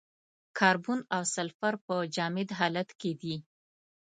کاربن او سلفر په جامد حالت کې دي.